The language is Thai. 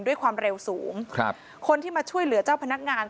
ด้วยความเร็วสูงครับคนที่มาช่วยเหลือเจ้าพนักงาน